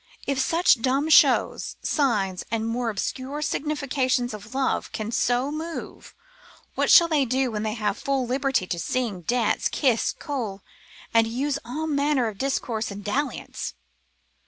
If such dumb shows, signs, and more obscure significations of love can so move, what shall they do that have full liberty to sing, dance, kiss, coll, to use all manner of discourse and dalliance!